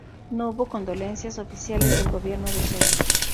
No hubo condolencias oficiales del gobierno de Seúl.